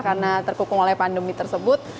karena terkukung oleh pandemi tersebut